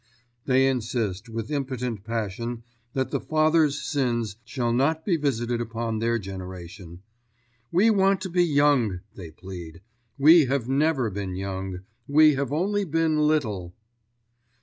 They insist, with impotent passion, that the fathers' sins shall not be visited upon their generation. "We want to be young," they plead. "We have never been young. We have only been little."